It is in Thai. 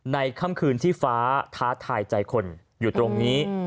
ค่ำคืนที่ฟ้าท้าทายใจคนอยู่ตรงนี้